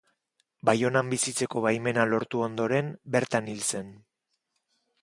Baionan bizitzeko baimena lortu ondoren bertan hil zen.